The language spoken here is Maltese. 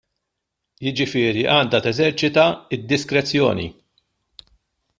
Jiġifieri għandha teżerċita d-diskrezzjoni.